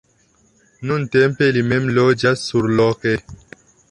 Nuntempe li mem loĝas surloke.